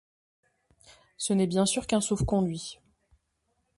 Ce n'est bien sûr qu'un sauf-conduit…